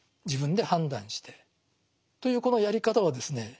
自分で判断してというこのやり方はですね